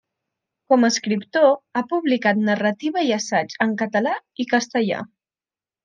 Com a escriptor, ha publicat narrativa i assaig en català i castellà.